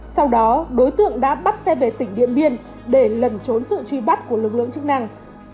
sau đó đối tượng đã bắt xe về tỉnh điện biên để lần trốn sự truy bắt của lực lượng chức năng